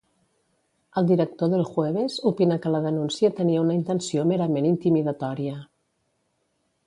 El director dEl Jueves opina que la denúncia tenia una intenció merament intimidatòria.